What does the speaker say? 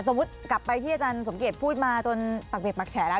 สมมุติกลับไปที่อาจารย์สมเกตพูดมาจนปากเบียบปากแฉแล้ว